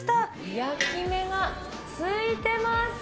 焼き目が付いてます。